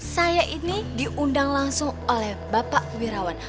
saya ini diundang langsung oleh bapak wirawan